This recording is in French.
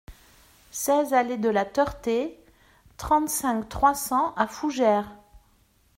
seize allée de la Teurtais, trente-cinq, trois cents à Fougères